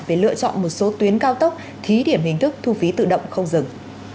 về lựa chọn một số tuyến cao tốc thí điểm hình thức thu phí tự động không dừng